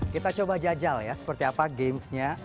kita coba jajal ya seperti apa gamesnya